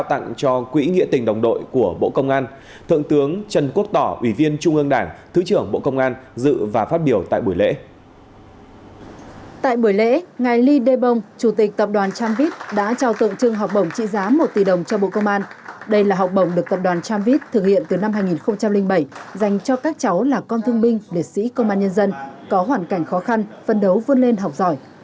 đây là học bổng được tập đoàn tramvit thực hiện từ năm hai nghìn bảy dành cho các cháu là con thương binh liệt sĩ công an nhân dân có hoàn cảnh khó khăn phân đấu vươn lên học giỏi